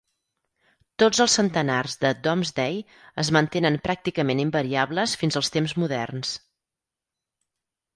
Tots els centenars de Domesday es mantenen pràcticament invariables fins als temps moderns.